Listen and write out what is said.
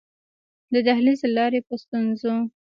د دهلېز له لارې په ستونزو.